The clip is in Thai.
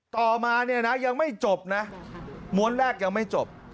ต่อมาเนี่ยนะยังไม่จบนะม้วนแรกยังไม่จบ